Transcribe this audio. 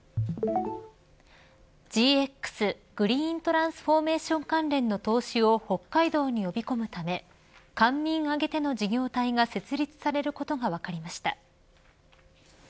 ＧＸ、グリーントランスフォーメーション関連の投資を北海道に呼び込むため官民挙げての事業体が設立されることが分かりました。